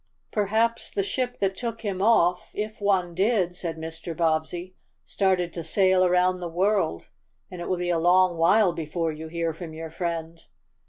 "Perhaps the ship that took him off if one did," said Mr. Bobbsey, "started to sail around the world, and it will be a long while before you hear from your friend."